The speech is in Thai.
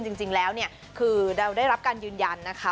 จริงแล้วเนี่ยคือเราได้รับการยืนยันนะคะ